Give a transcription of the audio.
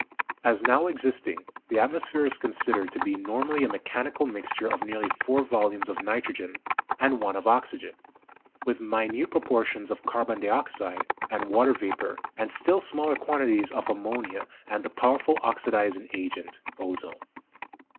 As now existing, the atmosphere is considered to be normally a mechanical mixture of nearly 4 volumes of nitrogen and 1 of oxygen (N79.4, O20.6), with minute proportions of carbon dioxide and water vapor and still smaller quantities of ammonia and the powerful oxidizing agent, ozone.